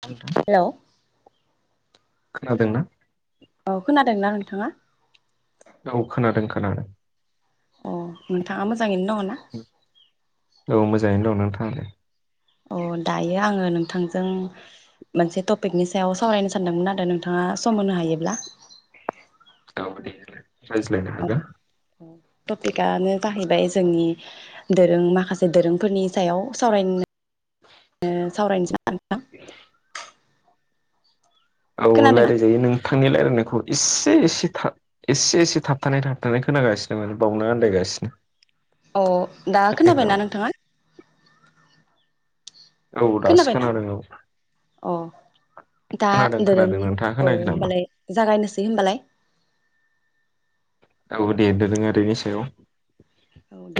आ नोंथां हेल' औ खोनादोंना? खोनादोंना नोंथांङा? औ खोनादों खोनादों। अ नोंथांङा मोजाङै नो दंङ ना? औ मोजांङैनो दं नोंथां दे। अ दायो आंङो नों थांजों मोनसे टपिकनि सायाव सावरायनो सानदोंमोन आरो नोंथांङा सम होनो हायोब्ला। औ दे होलाय रायज्लायनो हागोन। टपिक आनो जाहैबाय जोंनि दोरों माखासे दोरोंफोरनि सायाव सावराय नो सावरायनोसै [unintelligible] औ खोनादोंना? रायलायजायो नोंथांनि रायलायनायखौ एसे एसे था एसे एसे थाबथ थाबथ खोनागासिनो माने बावनो आन्दायगासिनो अ दा खोनायाखै खोनाबायना नामा नोंथाङा? औ दासो खोनाबायना? खोनादों औ अ दा खोनादों खोनादों दोरोंनि नोंथाङा औ खोनायाखै नामा होमबालाय जागायनोसै होमबालाय औ देे दोरोंआरिनि सायाव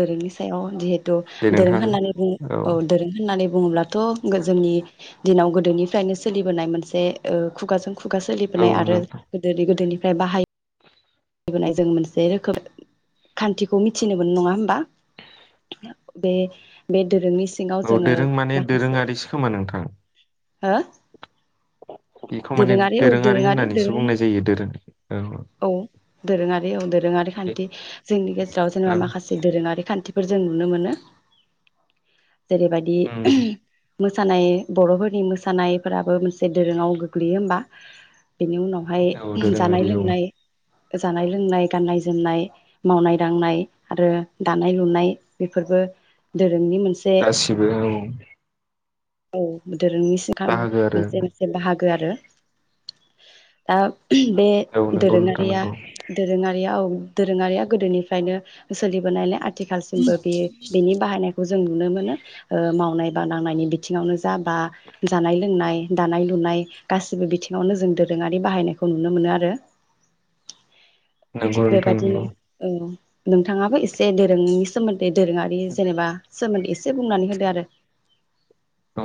दोरोंनि सायाव जिहेथु दे दोरों नोंथां होननानै बुं औ दोरों होननानै बुङोब्लाथ' जोंनि दिनाव गोदोनिफ्रायनो सोलिबोनाय मोनसे ओ खुगाजों खुगा औ सोलिबोनाय आरो नोंथां गोदोनि गोदोनिफ्राय बाहायो। फालिबोनाय जों मोनसे रोखोम खान्थिखौ मिथिनो मोनो नङा होमबा बे बे दोरोंनि सिङाव औ जोङो दोरों माने माखासे दोरोङारिसो खोमा नोंथां हो? बेखौ माने दोरोङारि होननानैसो बुंनाय जायो दोरों औ दोरोङारि औ दोरोङारि दे खान्थि जोंनि गेजेराव औ जेनेबा माखासे दोरोङारि खान्थि फोर जों नुनो मोनो। जेरैबायदि उम मोसानाय बर'फोरनि मोसानायफोराबो मोनसे दोरोङाव गोग्लैयो होमबा बेनि उनाव बेहाय औ जानाय दोरोङारि औ लोंनाय जानाय लोंनाय गाननाय जोमनाय मावनाय दांनाय आरो दानाय लुनाय बेफोरबो दोरोंनि मोनसे गासिबो औ। औ। दोरोंनि सिगां बाहागो आरो मोनसे मोनसे बाहागो आरो दा बे औ नंगौ नोंथां दोरोङारिया नंगौ दोरोङारियाव दोरोङारिया गोदोनिफ्रायनो सोलिबोनायलाय आथिखालसिमबो बे बेनि बाहायनायखौ जों नुनो मोनो ओ मावनाय बा दांनायनि बि बिथिङावनो जा बा जानाय लोंनाय दानाय लुनाय गासिबो बिथिङावनो जों दोरोङारि बाहायनायखौ नुनो मोनो आरो। नंगौ थिग नोंथां बेबायदिनो नंगौ औ। नोंथाङाबो एसे दोरोंनि सोमोन्दै बे दोरोङारि जेनेबा सोमोन्दै एसे बुंनानै होदो आरो। औ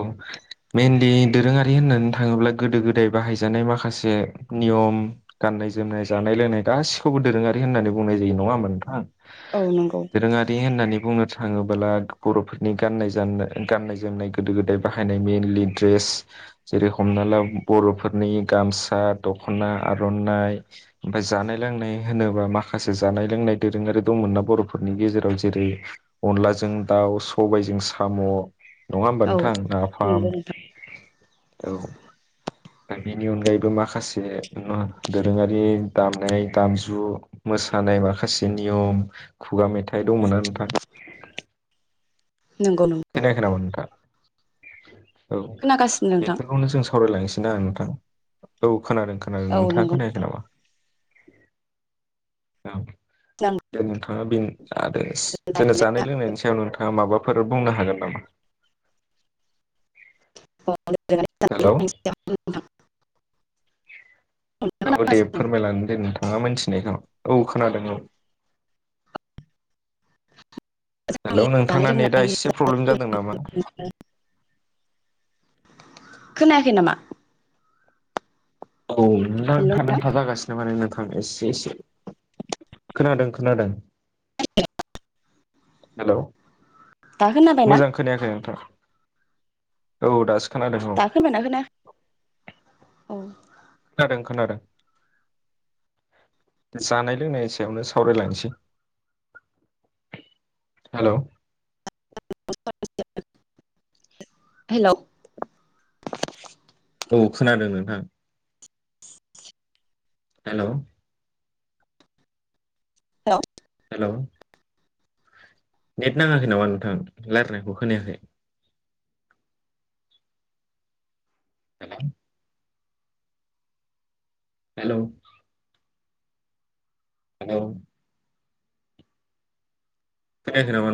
मेेनलि दोरोङारि होननानै थाङोब्ला गोदो गोदाय बाहायजानाय माखासे नियम, गाननाय जोमनाय, जानाय लोंनाय गासिखौबो दोरोङारि होननानै बुंनाय जायो नङा होमबा नोंथां। औ नंगौ दोरोङारि होननानै बुंनो थाङोबोला बर'फोरनि गानाय ज गाननाय जोमनायखौ गोदो गोदाय बाहायनाय मइेनलि दड्रेस जेरै हमना ला बर'फोरनि गामसा दख'ना आर'नाइ ओमफाय जानाय लोंनाय होनोबा माखासे जानाय लोंनाय दोरोङारि दंमोनना बर'फोरनि गेजेराव जेरै अनलाजों दाउ सबायाइजों साम' नङा होमबा औ नोंथां नाफाम नंगौ नोंथां औ। दा बेनि अनगायैबो माखासे ना दोरोङारि दामनाय दामजु मोसानाय माखासे नियम खुगा मेथाइ फाइ दंमोनना नोंथां। नंगौ नंगौ खोनायाखै नामा नोंथा? औ खोनागासिनो नोंथां बेफोरखौनो जों स सावरायलांसै ना आं नोंथां औ। खोनादों खोनादों औ नोंथाङा नंगौ खोनायाखै नोंथां नामा? औ। दे नोंथाङा बे आरो जानाय जानाय लोंनायनि सायाव नोंथाङा माबाफोर बुंनो हागोन नामा? हेलौ औ दे खोनागासिनो फोरमायलां दे नोंथाङा मिथिनायखौ औ खोनादों औ। हेलौ जानाय नोंथाङा नेटआ लोंनायनि एसे प्रब्लेम जादों नामा? खोनायाखै नामा? औ नोंथा हेल' नांथा नोंथां नांथा जागासिनो माने नोंथां । आं एसे एसे खोनादों खोनादों। हेलौ? दा खोनाबायना मोजां खोनायाखै नोंथां। औ दासो खोनादों औ दा खोनादोंना खोनाया? औ। खोनादों खोनादों जानाय लोंनायनि सायावनो सावरायलांसै । हेलौ? [unintelligible] हेलौ औ खोनादों नोंथां। हेल? औ। [inaudible] हेलौ नेट नाङाखै नामा नोंथां रायलानायखौ खोनायाखै। हेलौ? [inaudible] हेलौ? हेलौ? खोनानानै नामा?